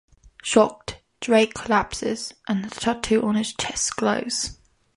Shocked, Drake collapses, and the tattoo on his chest glows.